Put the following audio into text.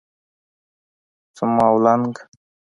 څماولنګ